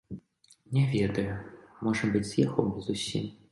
Не ведаю, можа быць, з'ехаў бы зусім.